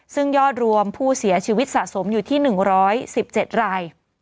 ซึ่งยอดรวมผู้เสียชีวิตสะสมอยู่ที่๑๑๗ราย